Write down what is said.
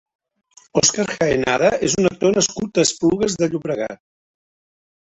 Óscar Jaenada és un actor nascut a Esplugues de Llobregat.